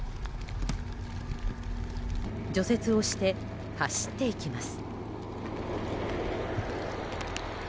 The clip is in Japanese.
除雪をして走っていきます。